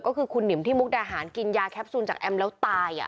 ก็คือคุณหนิมที่มุกดาหารกินยาแคปซูลจากแอมแล้วตาย